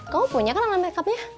kamu punya kan langan makeupnya